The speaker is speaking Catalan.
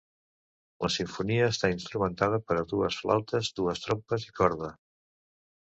La simfonia està instrumentada per a dues flautes, dues trompes, i corda.